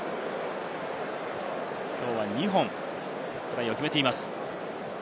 きょうは２本トライを決めています。